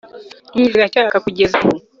Inyenyeri ziracyaka kugeza ubu